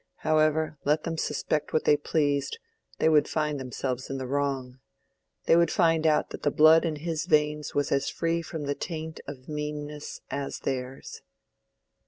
However, let them suspect what they pleased, they would find themselves in the wrong. They would find out that the blood in his veins was as free from the taint of meanness as theirs.